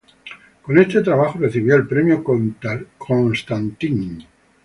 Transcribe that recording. Con este trabajo recibió el Premio Constantin.